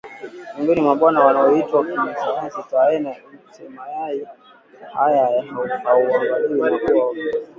miongoni mwa mbwa wanaoitwa kisayansi Taenia Multicepts Mayai haya huanguliwa na kuwa viluwiluwi